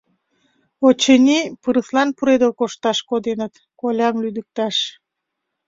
Очыни, пырыслан пуредыл кошташ коденыт, колям лӱдыкташ...